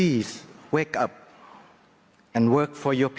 กับพวกคุณนะครับ